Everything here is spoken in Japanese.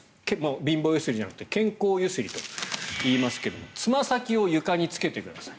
貧乏揺すりじゃなくて健康揺すりと言いますがつま先を床につけてください。